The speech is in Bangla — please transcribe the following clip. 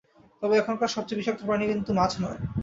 তবে এখানকার সবচেয়ে বিষাক্ত প্রাণী কিন্তু মাছ নয়।